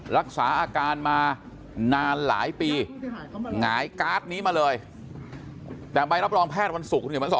รักษาอาการมานานหลายปีหงายการ์ดนี้มาเลยแต่ใบรับรองแพทย์วันศุกร์คุณเห็นมาส